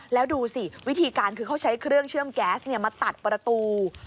แล้วดูสิวิธีการคือเขาใช้เครื่องเชื่อมแก๊สมาตัดประตู